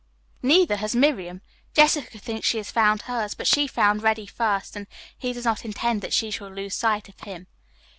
Neither has Miriam. Jessica thinks she has found hers, but she found Reddy first, and he does not intend that she shall lose sight of him.